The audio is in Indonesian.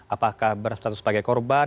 apakah berstatus sebagai korban